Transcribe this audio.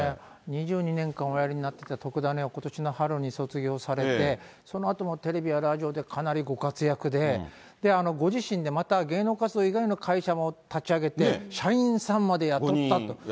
２２年間おやりになってたとくダネ！をことしの春に卒業されて、そのあともテレビやラジオでかなりご活躍で、ご自身でまた芸能活動以外の会社も立ち上げて、社員さんまで雇ったと。